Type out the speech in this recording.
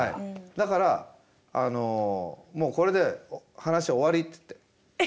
「だからもうこれで話は終わり」って言って。